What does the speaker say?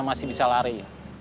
masih bisa lari